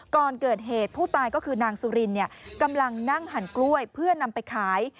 ก่อนเกิดเหตุผู้ตายก็คือนางสุรินกำลังนั่งหันกล้วยเพื่อนำไปขาย